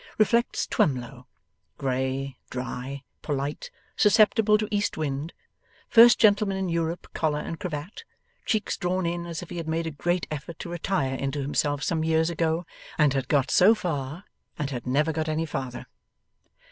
Reflects Twemlow; grey, dry, polite, susceptible to east wind, First Gentleman in Europe collar and cravat, cheeks drawn in as if he had made a great effort to retire into himself some years ago, and had got so far and had never got any farther.